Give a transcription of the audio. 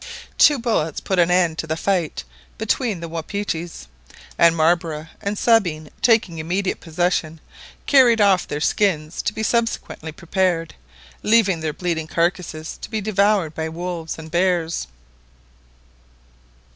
Two bullets put an end to the fight between the wapitis; and Marbre and Sabine taking immediate possession, carried off their skins to be subsequently prepared, leaving their bleeding carcasses to be devoured by wolves and bears.